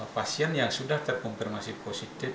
pasien yang sudah terkonfirmasi positif